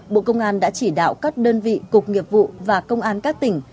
bộ công an đã chỉ đạo các đơn vị cục nghiệp vụ và công an các tỉnh